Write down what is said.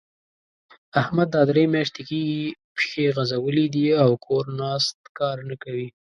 احمد دا درې مياشتې کېږي؛ پښې غځولې دي او کور ناست؛ کار نه کوي.